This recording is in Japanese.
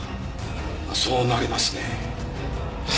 まあそうなりますね。